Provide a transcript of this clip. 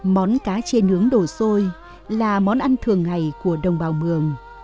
món cá chê nướng đổ xôi là món ăn thường ngày của đồng bào mường